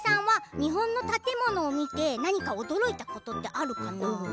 日本の建物を見て何か驚いたことってあるかな？